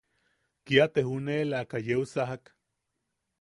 Kia te juneʼelaka yeu sajak.